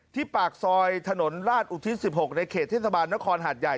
ที่ปากซอยถนนราชอุทธิศสิบหกในเขตธิศบาลนครหัดใหญ่